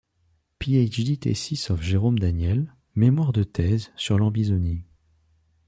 PhD thesis of Jerôme Daniel - Mémoire de thèse sur l'ambisonie.